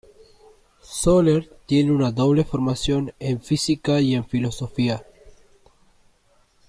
Soler tiene una doble formación en física y en filosofía.